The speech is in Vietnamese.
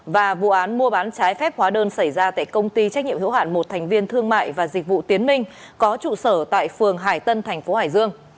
và vụ án mua bán trái phép hóa đơn xảy ra tại công ty trách nhiệm hữu hạn một thành viên thương mại và dịch vụ tiến minh có trụ sở tại phường hải tân thành phố hải dương